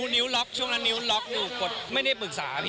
นิ้วล็อกช่วงนั้นนิ้วล็อกอยู่กดไม่ได้ปรึกษาพี่